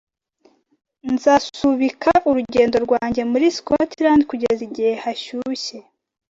Nzasubika urugendo rwanjye muri Scotland kugeza igihe hashyushye